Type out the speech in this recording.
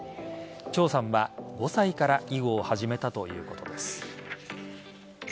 張さんは５歳から囲碁を始めたということです。